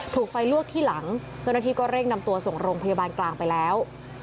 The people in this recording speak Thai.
ถูกไฟลวกที่หลังเจ้าหน้าที่ก็เร่งนำตัวส่งโรงพยาบาลกลางไปแล้ว